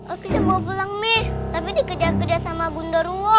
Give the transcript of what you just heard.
aku udah mau pulang mi tapi dikejar kejar sama bunda ruwo